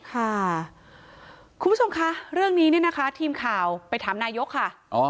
คุณผู้ชมค่าเรื่องนี้ทีมข่าวไปถามนายยกค่ะ